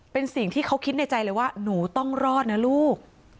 เป็นสิ่งที่เขาคิดในใจเลยว่าหนูต้องรอดนะลูก